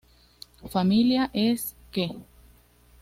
Familia es "ke".